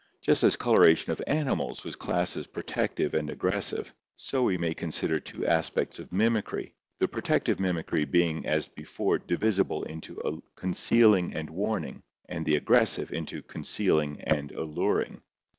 Just as coloration of animals was classed as protective and ag gressive, so we may consider two aspects of mimicry, the protec tive mimicry being as before divisible into concealing and warning and the aggressive into concealing and alluring.